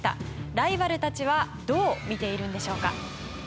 ライバルたちはどう見ているんでしょうか？